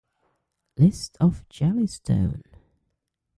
List of Jellystone!